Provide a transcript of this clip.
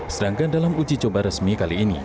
sedangkan dalam uji coba resmi kali ini